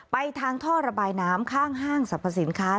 ไปทางท่อระบายน้ำข้างห้างสรรพสินค้า